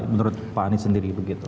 menurut pak anies sendiri begitu